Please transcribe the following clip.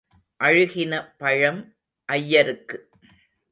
அழுகின பழம் ஐயருக்கு.